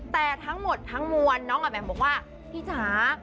แต่ทั้งหมดทั้งมวลน้องอาแหม่มบอกว่าพี่จ๋า